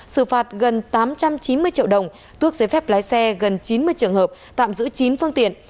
xử phạt gần tám trăm chín mươi triệu đồng tuốc giấy phép lái xe gần chín mươi trường hợp tạm giữ chín phương tiện